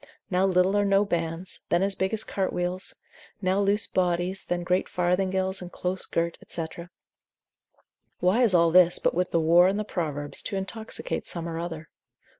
now little or no bands, then as big as cart wheels; now loose bodies, then great farthingales and close girt, &c. Why is all this, but with the whore in the Proverbs, to intoxicate some or other?